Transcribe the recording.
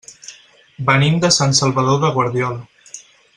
Venim de Sant Salvador de Guardiola.